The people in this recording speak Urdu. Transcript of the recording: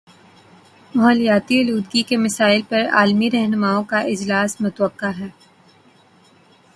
ماحولیاتی آلودگی کے مسئلے پر عالمی رہنماؤں کا اجلاس متوقع ہے